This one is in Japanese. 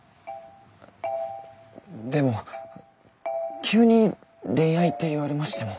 でも急に恋愛って言われましても。